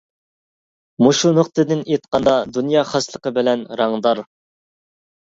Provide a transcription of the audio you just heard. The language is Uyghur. مۇشۇ نۇقتىدىن ئېيتقاندا، دۇنيا خاسلىقى بىلەن رەڭدار.